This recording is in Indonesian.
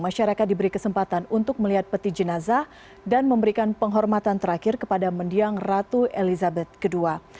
masyarakat diberi kesempatan untuk melihat peti jenazah dan memberikan penghormatan terakhir kepada mendiang ratu elizabeth ii